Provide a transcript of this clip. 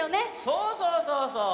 そうそうそうそう。